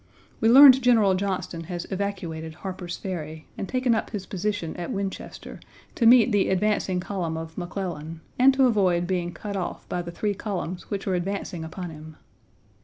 We learned General Johnston has evacuated Harper's Ferry, and taken up his position at Winchester, to meet the advancing column of McClellan, and to avoid being cut off by the three columns which were advancing upon him.